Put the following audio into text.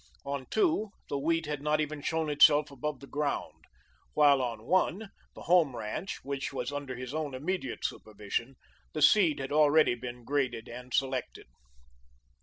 On Two the wheat had not even shown itself above the ground, while on One, the Home ranch, which was under his own immediate supervision, the seed had already been graded and selected.